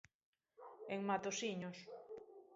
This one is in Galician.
En Matosiños.